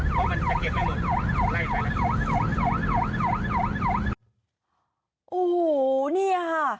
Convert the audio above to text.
ทำไมเนี่ย